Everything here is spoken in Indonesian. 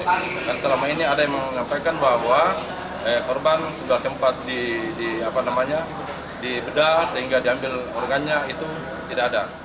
dan selama ini ada yang mengatakan bahwa korban sudah sempat dibedah sehingga diambil organnya itu tidak ada